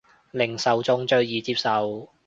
令受眾最易接受